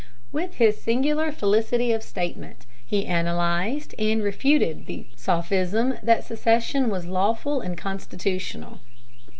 With his singular felicity of statement, he analyzed and refuted the sophism that secession was lawful and constitutional.